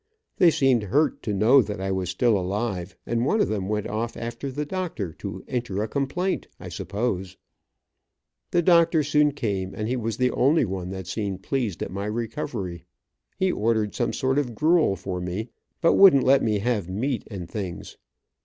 They seemed hurt to know that I was still alive, and one of them went off after the doctor, to enter a complaint, I supposed. The doctor soon came and he was the only one that seemed pleased at my recovery. He ordered some sort of gruel for me, but wouldn't let me have meat and things.